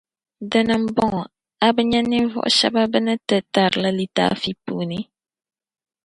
Di ni bɔŋɔ, a bi nya ninvuɣu shεba bɛ ni ti tarli litaafi puuni?